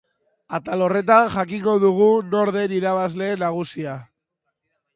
Atal horretan jakingo dugu nor den irabazle nagusia.